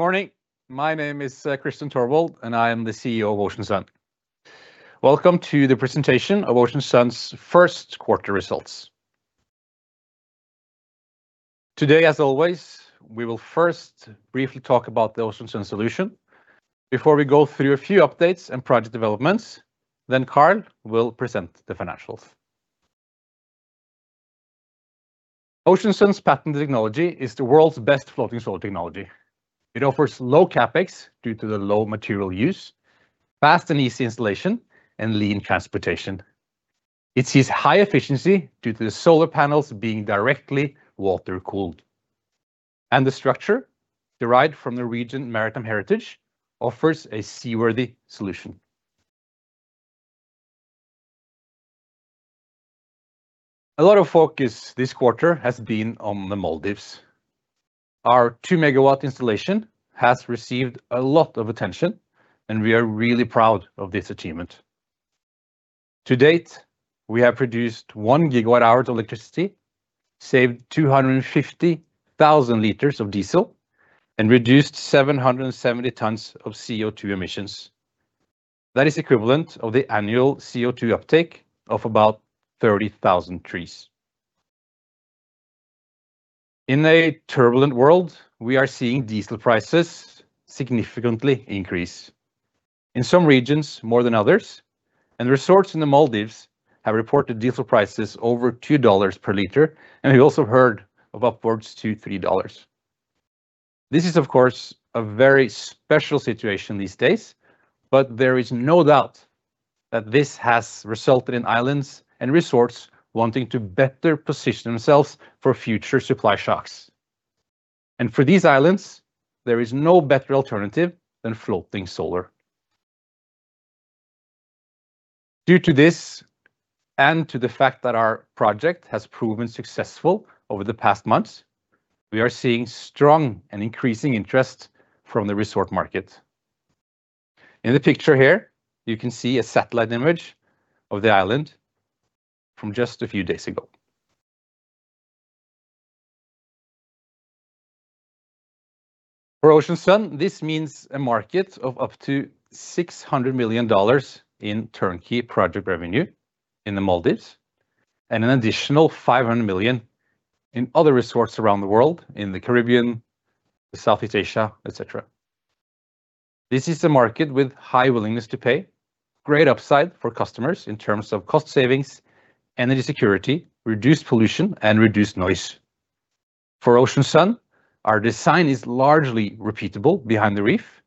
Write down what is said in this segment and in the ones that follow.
Good morning. My name is Kristian Tørvold, and I am the CEO of Ocean Sun. Welcome to the presentation of Ocean Sun's first quarter results. Today, as always, we will first briefly talk about the Ocean Sun solution before we go through a few updates and project developments, then Karl will present the financials. Ocean Sun's patented technology is the world's best floating solar technology. It offers low CapEx due to the low material use, fast and easy installation, and lean transportation. It uses high efficiency due to the solar panels being directly water-cooled, and the structure, derived from the region maritime heritage, offers a seaworthy solution. A lot of focus this quarter has been on the Maldives. Our 2 MW installation has received a lot of attention, and we are really proud of this achievement. To date, we have produced 1 GWh of electricity, saved 250,000 liters of diesel, and reduced 770 tons of CO2 emissions. That is equivalent of the annual CO2 uptake of about 30,000 trees. In a turbulent world, we are seeing diesel prices significantly increase, in some regions more than others. Resorts in the Maldives have reported diesel prices over $2 per liter. We also heard of upwards to $3. This is, of course, a very special situation these days, but there is no doubt that this has resulted in islands and resorts wanting to better position themselves for future supply shocks. For these islands, there is no better alternative than floating solar. Due to this, and to the fact that our project has proven successful over the past months, we are seeing strong and increasing interest from the resort market. In the picture here, you can see a satellite image of the island from just a few days ago. For Ocean Sun, this means a market of up to $600 million in turnkey project revenue in the Maldives, and an additional $500 million in other resorts around the world, in the Caribbean, Southeast Asia, et cetera. This is a market with high willingness to pay, great upside for customers in terms of cost savings, energy security, reduced pollution, and reduced noise. For Ocean Sun, our design is largely repeatable behind the reef,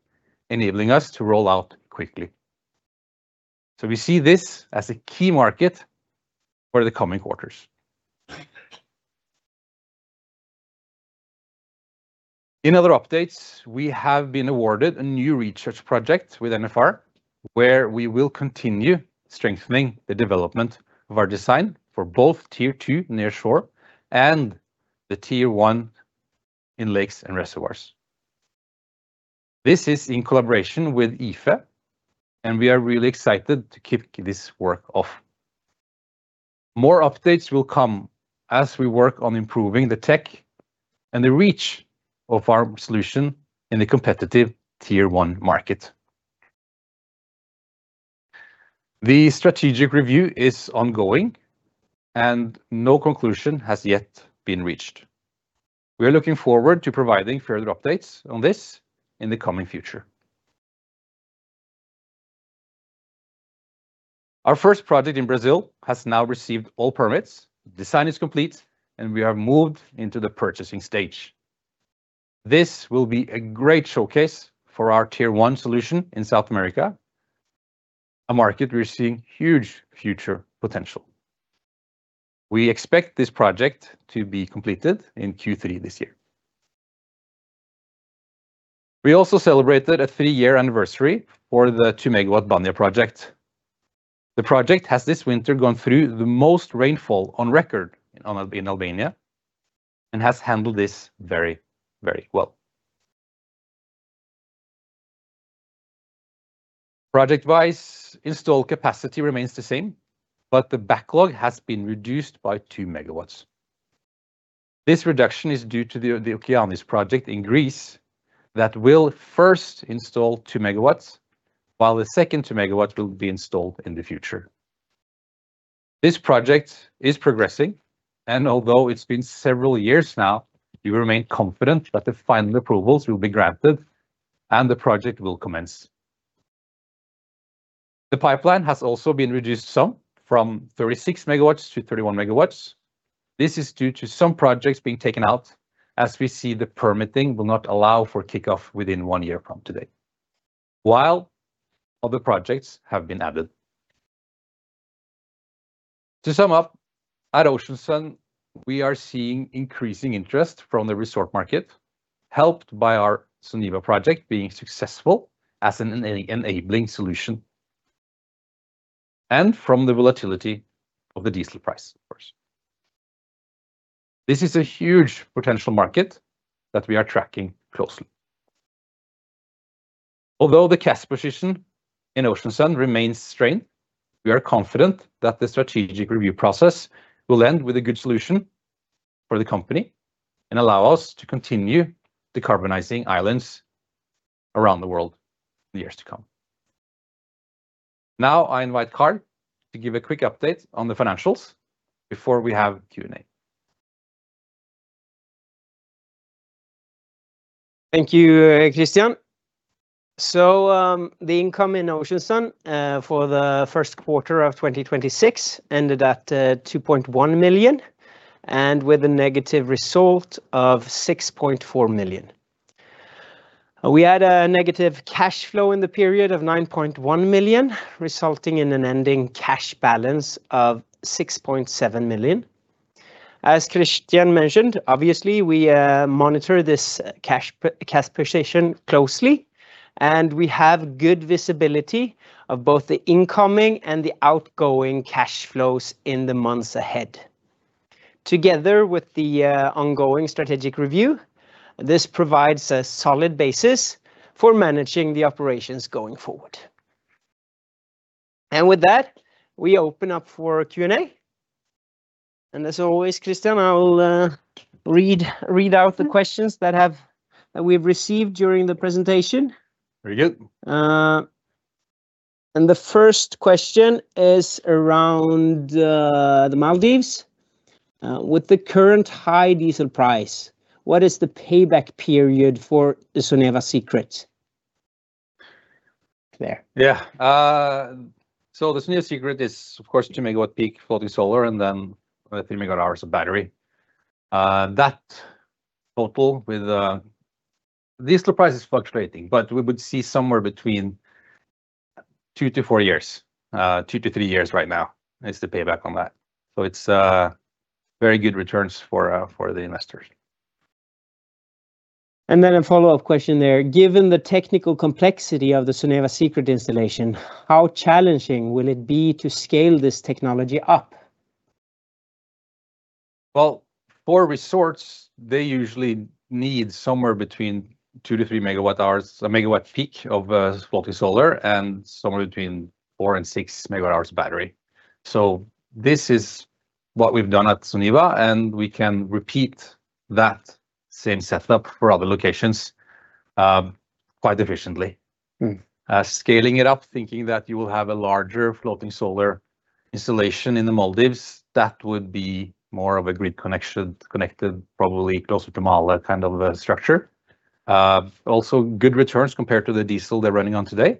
enabling us to roll out quickly. We see this as a key market for the coming quarters. In other updates, we have been awarded a new research project with NFR, where we will continue strengthening the development of our design for both Tier 2 near-shore and the Tier 1 in lakes and reservoirs. This is in collaboration with IFE. We are really excited to kick this work off. More updates will come as we work on improving the tech and the reach of our solution in the competitive Tier 1 market. The strategic review is ongoing. No conclusion has yet been reached. We are looking forward to providing further updates on this in the coming future. Our first project in Brazil has now received all permits. Design is complete. We have moved into the purchasing stage. This will be a great showcase for our Tier 1 solution in South America, a market we're seeing huge future potential. We expect this project to be completed in Q3 this year. We also celebrated a three-year anniversary for the 2 MW Banja project. The project has this winter gone through the most rainfall on record in Albania and has handled this very well. Project wise, install capacity remains the same, but the backlog has been reduced by 2 MW. This reduction is due to the Okeanis project in Greece that will first install 2 MW, while the second 2 MW will be installed in the future. This project is progressing, and although it's been several years now, we remain confident that the final approvals will be granted and the project will commence. The pipeline has also been reduced some from 36 MW to 31 MW. This is due to some projects being taken out as we see the permitting will not allow for kickoff within one year from today, while other projects have been added. To sum up, at Ocean Sun, we are seeing increasing interest from the resort market, helped by our Soneva project being successful as an enabling solution, and from the volatility of the diesel price, of course. This is a huge potential market that we are tracking closely. Although the cash position in Ocean Sun remains strained, we are confident that the strategic review process will end with a good solution for the company and allow us to continue decarbonizing islands around the world in the years to come. Now I invite Karl to give a quick update on the financials before we have Q&A. Thank you, Kristian. The income in Ocean Sun for the first quarter of 2026 ended at 2.1 million, with a negative result of 6.4 million. We had a negative cash flow in the period of 9.1 million, resulting in an ending cash balance of 6.7 million. As Kristian mentioned, obviously, we monitor this cash position closely, and we have good visibility of both the incoming and the outgoing cash flows in the months ahead. Together with the ongoing strategic review, this provides a solid basis for managing the operations going forward. With that, we open up for Q&A. As always, Kristian, I will read out the questions that we've received during the presentation. Very good. The first question is around the Maldives. With the current high diesel price, what is the payback period for the Soneva Secret there? Yeah. The Soneva Secret is, of course, 2 MWp floating solar and then, 3 MWh of battery. That total with diesel price is fluctuating, but we would see somewhere between 2-4 years. 2-3 years right now is the payback on that. It's very good returns for the investors. A follow-up question there. Given the technical complexity of the Soneva Secret installation, how challenging will it be to scale this technology up? For resorts, they usually need somewhere between 2-3 MWp of floating solar and somewhere between 4-6 MWh battery. This is what we've done at Soneva, and we can repeat that same setup for other locations, quite efficiently. Scaling it up, thinking that you will have a larger floating solar installation in the Maldives, that would be more of a grid connection, connected probably closer to Malé kind of a structure. Also, good returns compared to the diesel they're running on today.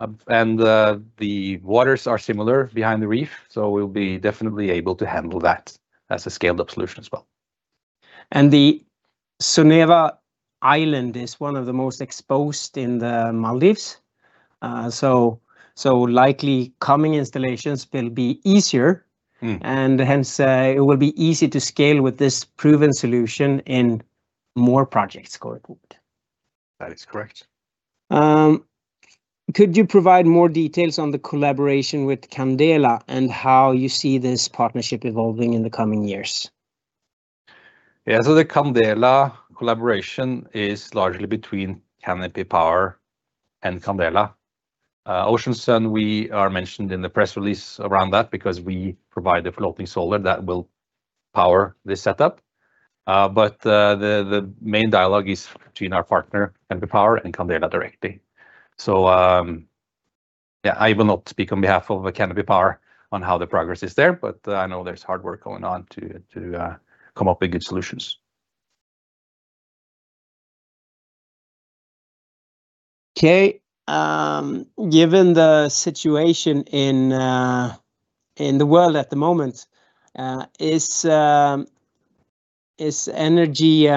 The waters are similar behind the reef, so we'll be definitely able to handle that as a scaled-up solution as well. The Soneva island is one of the most exposed in the Maldives. Likely coming installations will be easier. Hence, it will be easy to scale with this proven solution in more projects going forward. That is correct. Could you provide more details on the collaboration with Candela and how you see this partnership evolving in the coming years? Yeah. The Candela collaboration is largely between Canopy Power and Candela. Ocean Sun, we are mentioned in the press release around that because we provide the floating solar that will power this setup. The main dialogue is between our partner, Canopy Power, and Candela directly. Yeah, I will not speak on behalf of Canopy Power on how the progress is there, but I know there's hard work going on to come up with good solutions. Okay. Given the situation in the world at the moment, is energy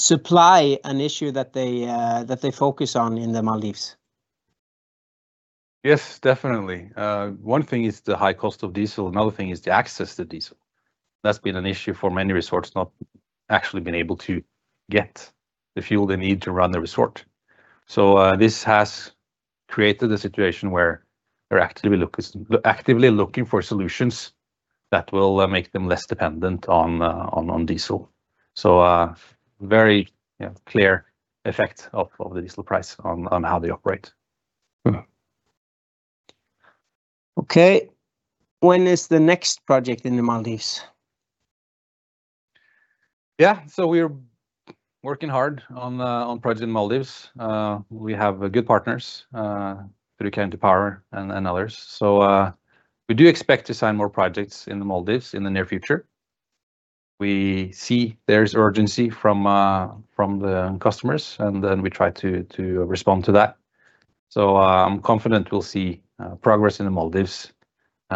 supply an issue that they focus on in the Maldives? Yes, definitely. One thing is the high cost of diesel. Another thing is the access to diesel. That's been an issue for many resorts, not actually been able to get the fuel they need to run the resort. This has created a situation where they're actively looking for solutions that will make them less dependent on diesel. Very, yeah, clear effect of the diesel price on how they operate. Okay. When is the next project in the Maldives? Yeah. We're working hard on projects in Maldives. We have good partners through Canopy Power and others. We do expect to sign more projects in the Maldives in the near future. We see there's urgency from the customers, and then we try to respond to that. I'm confident we'll see progress in the Maldives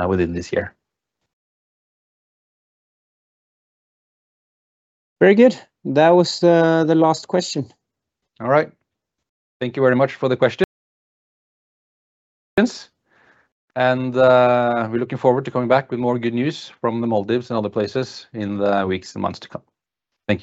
within this year. Very good. That was the last question. All right. Thank you very much for the questions. We're looking forward to coming back with more good news from the Maldives and other places in the weeks and months to come. Thank you.